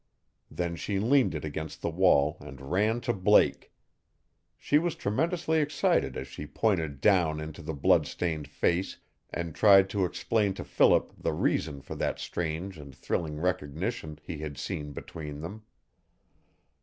Then she leaned it against the wall and ran to Blake. She was tremendously excited as she pointed down into the bloodstained face and tried to explain to Philip the reason for that strange and thrilling recognition he had seen between them.